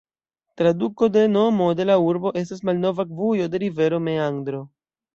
Traduko de nomo de la urbo estas "malnova akvujo de rivero, meandro".